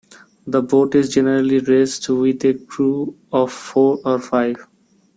The boat is generally raced with a crew of four or five.